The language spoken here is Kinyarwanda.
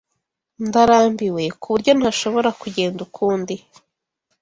Ndarambiwe kuburyo ntashobora kugenda ukundi.